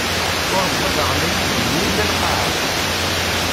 Ur wwiḍeɣ la igenni, la lqaɛa.